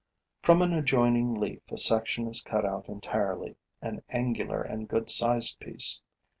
From an adjoining leaf a section is cut out entirely, an angular and good sized piece.